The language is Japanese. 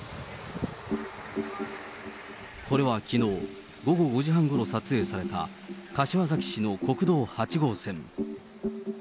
これはきのう午後５時半ごろ撮影された柏崎市の国道８号線。